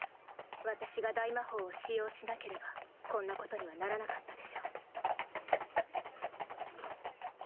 私が大魔法を使用しなければこんなことにはならなかったでしょう。